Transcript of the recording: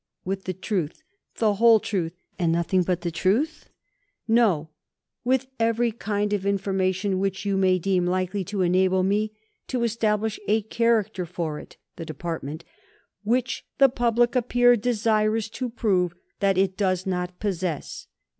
with the truth, the whole truth, and nothing but the truth? No "with every kind of information which you may deem likely to enable me to establish a character for it [the Department], which the public appear desirous to prove that it does not possess."